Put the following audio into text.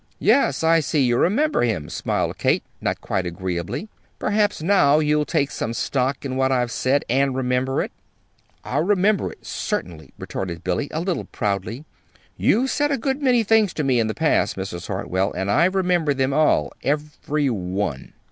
"Yes. I see you remember him," smiled Kate, not quite agreeably. "Perhaps now you'll take some stock in what I've said, and remember it." "I'll remember it, certainly," returned Billy, a little proudly. "You've said a good many things to me, in the past, Mrs. Hartwell, and I've remembered them all every one."